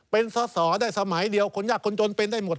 เป็นสอสอได้สมัยเดียวคนยากคนจนเป็นได้หมด